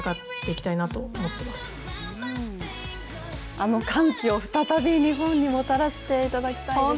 あの歓喜を再び日本にもたらしていただきたいですね。